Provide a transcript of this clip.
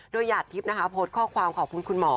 โดยหยาดทิพย์นะคะโพสต์ข้อความขอบคุณคุณหมอ